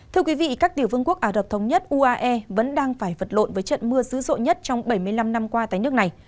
thưa quý vị các tiểu vương quốc ả rập thống nhất uae vẫn đang phải vật lộn với trận mưa dữ dội nhất trong bảy mươi năm năm qua tại nước này